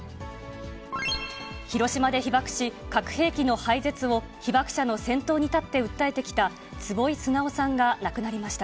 広島で被爆し、核兵器の廃絶を被爆者の先頭に立って訴えてきた坪井直さんが亡くなりました。